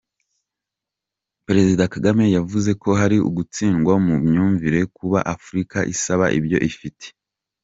Perezida Kagame yavuze ko ari ugutsindwa mu myumvire kuba Afurika isaba ibyo ifite.